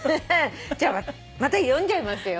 じゃあまた読んじゃいますよ